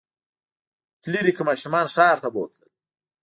فلیریک ماشومان ښار ته بوتلل.